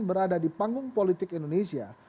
berada di panggung politik indonesia